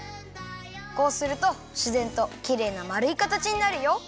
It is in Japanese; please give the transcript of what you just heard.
こうするとしぜんときれいなまるいかたちになるよ。